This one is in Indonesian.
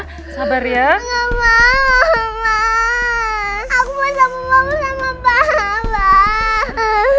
mama udah gak sabar ketemu kamu sayang